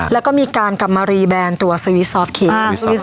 แล้วก็มีการกำมารีแบรนด์ตัวสวีทซอฟต์เค้ก